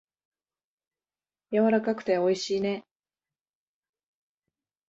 やわらかくておいしいね。